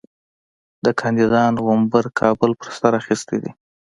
د کاندیدانو غومبر کابل پر سر اخیستی دی.